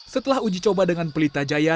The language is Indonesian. setelah uji coba dengan pelita jaya